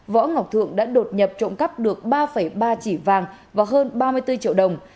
võ ngọc thượng đã đột nhập trộm cắp được ba ba chỉ vàng và hơn ba mươi bốn triệu đồng